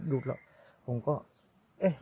ดูขาวแล้ว